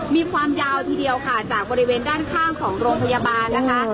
มีความยาวทีเดียวค่ะจากบริเวณด้านข้างของโรงพยาบาลนะคะ